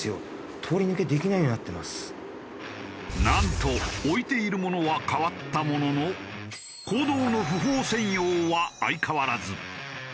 なんと置いている物は変わったものの公道の不法占用は相変わらず。